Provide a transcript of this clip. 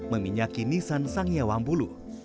meminyaki nisan sang yawambulu